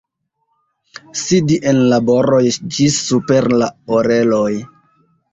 Sidi en laboroj ĝis super la oreloj.